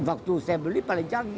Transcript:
waktu saya beli paling canggih